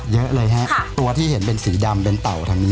เยอะเลยฮะตัวที่เห็นเป็นสีดำเป็นเต่าทางนี้